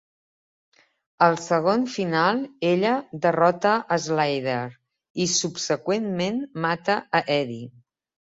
Al segon final, ella derrota a Slayer i subseqüentment mata a Eddie.